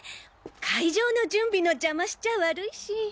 会場の準備の邪魔しちゃ悪いし。